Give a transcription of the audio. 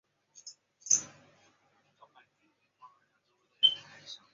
不饱和的正十二面体烷分子也已经制得。